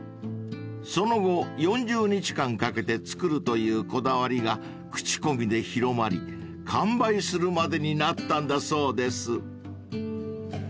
［その後４０日間かけて作るというこだわりが口コミで広まり完売するまでになったんだそうです］